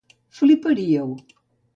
Fliparíeu.